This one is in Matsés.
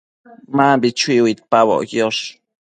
Mambi chui uidpaboc quiosh